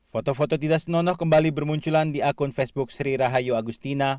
foto foto tidak senonoh kembali bermunculan di akun facebook sri rahayu agustina